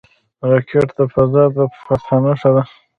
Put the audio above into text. راکټ د فضا د فتح نښه ده